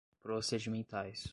procedimentais